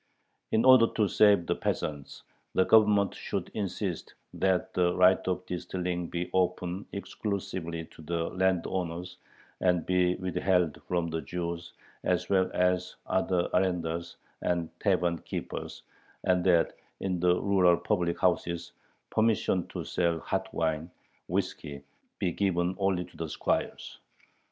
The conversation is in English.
In order to save the peasants, the Government should insist "that the right of distilling be open exclusively to the landowners, and be withheld from the Jews as well as other arendars and tavern keepers," and that in the rural public houses "permission to sell hot wine [whiskey] be given only to the squires."